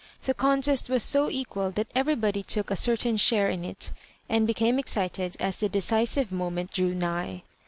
The contest was so equal that everybody took a certain share in it, and became excited as the decisive moment drew nigh.